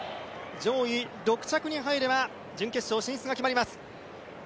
上位６着に入れば準決勝進出が決まります。